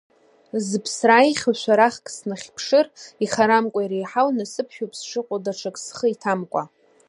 Зыԥсра ааихьоу шәарахк снахьԥшыр ихарамкәа, иреиҳау насыԥшәоуп сшыҟоу даҽак схы иҭамкәа.